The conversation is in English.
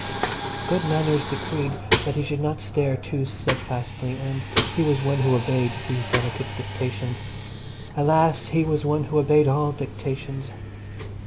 Good manners decreed that he should not stare too steadfastly, and he was one who obeyed these delicate dictations. Alas! he was one who obeyed all dictates.